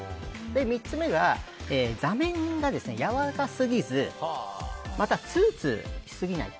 ３つ目が座面がやわらかすぎずまた、ツルツルしすぎない。